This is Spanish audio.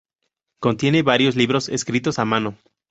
Contiene varios libros escritos a mano.